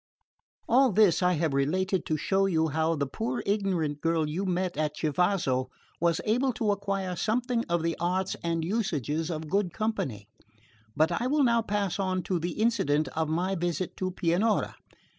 All this I have related to show you how the poor ignorant girl you met at Chivasso was able to acquire something of the arts and usages of good company; but I will now pass on to the incident of my visit to Pianura.